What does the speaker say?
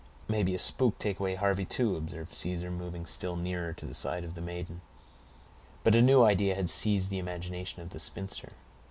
"Maybe a spook take away Harvey, too," observed Caesar, moving still nearer to the side of the maiden. But a new idea had seized the imagination of the spinster.